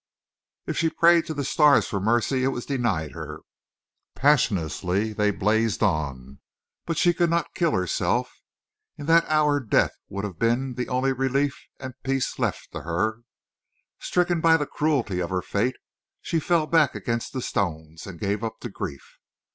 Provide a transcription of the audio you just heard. If she prayed to the stars for mercy, it was denied her. Passionlessly they blazed on. But she could not kill herself. In that hour death would have been the only relief and peace left to her. Stricken by the cruelty of her fate, she fell back against the stones and gave up to grief.